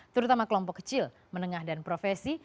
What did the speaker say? terutama kelompok kecil menengah dan profesi